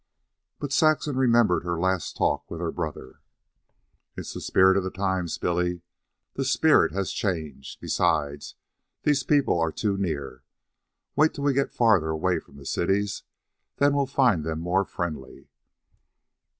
But Saxon remembered her last talk with her brother. "It's the spirit of the times, Billy. The spirit has changed. Besides, these people are too near. Wait till we get farther away from the cities, then we'll find them more friendly."